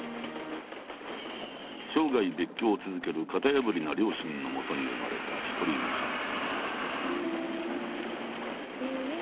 生涯別居を続ける型破りな両親のもとに生まれた一人娘。